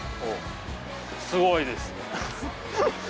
すごいです。